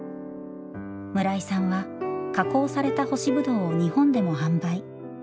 村井さんは加工された干しぶどうを日本でも販売。